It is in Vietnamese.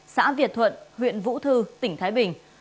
xã việt thuận huyện vũ thư tỉnh thái bình